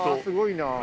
すごいな。